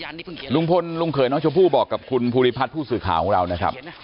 ลุงพลลุงเขยน้องชมพู่บอกกับคุณภูริพัฒน์ผู้สื่อข่าวของเรานะครับ